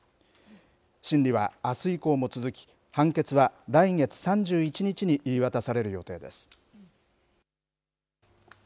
審理はあす以降も続き、判決は来月３１日に言い渡される予定です。